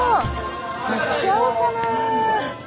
買っちゃおうかな。